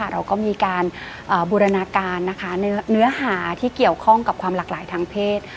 เราก็มีการบูรณาการนะคะเนื้อหาที่เกี่ยวข้องกับความหลากหลายทางเพศ